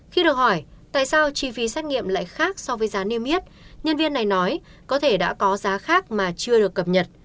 khi được hỏi tại sao chi phí xét nghiệm lại khác so với giá niêm yết nhân viên này nói có thể đã có giá khác mà chưa được cập nhật